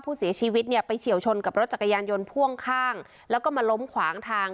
ผู้เสียชีวิตเนี่ยไปเฉียวชนกับรถจักรยานยนต์พ่วงข้างแล้วก็มาล้มขวางทาง